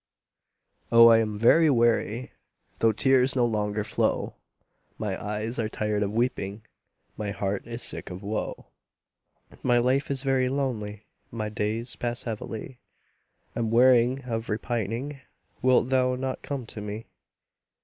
Oh, I am very weary, Though tears no longer flow; My eyes are tired of weeping, My heart is sick of woe; My life is very lonely My days pass heavily, I'm weary of repining; Wilt thou not come to me?